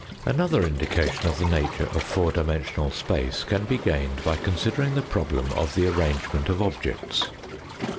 Another indication of the nature of four dimensional space can be gained by considering the problem of the arrangement of objects.